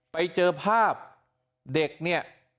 ไปเจอภาพเด็กเนี่ย